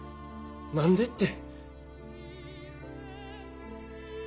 何でって。